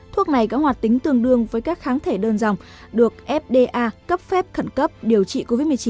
thuốc này có hoạt tính tương đương với các kháng thể đơn dòng được fda cấp phép khẩn cấp điều trị covid một mươi chín